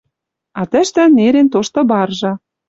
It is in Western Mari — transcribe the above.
А тӹштӹ нерен тошты баржа